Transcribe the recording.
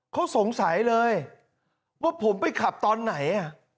เขาสงสัยเลยว่าผมไปขับตอนไหน